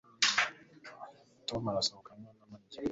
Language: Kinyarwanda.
Tom arasohoka anywa na Mariya